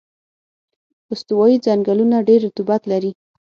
استوایي ځنګلونه ډېر رطوبت لري.